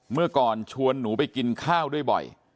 เมื่อก่อนชวนหนูไปกินข้าวด้วยบ่อย